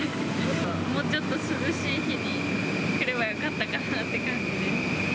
もうちょっと涼しい日に来ればよかったかなって感じです。